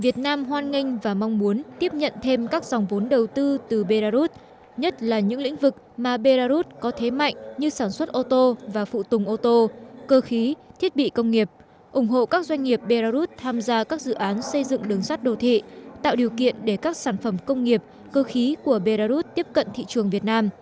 việt nam hoan nghênh và mong muốn tiếp nhận thêm các dòng vốn đầu tư từ belarus nhất là những lĩnh vực mà belarus có thế mạnh như sản xuất ô tô và phụ tùng ô tô cơ khí thiết bị công nghiệp ủng hộ các doanh nghiệp belarus tham gia các dự án xây dựng đường sát đồ thị tạo điều kiện để các sản phẩm công nghiệp cơ khí của belarus tiếp cận thị trường việt nam